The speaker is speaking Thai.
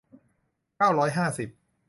เก้าร้อยห้าสิบ